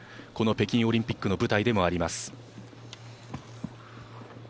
この北京オリンピックの舞台でもあります。